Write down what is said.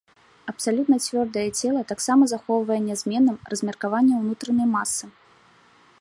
Абсалютна цвёрдае цела таксама захоўвае нязменным размеркаванне ўнутранай масы.